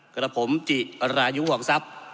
กรภนพมจิปรายุห่องทรัพย์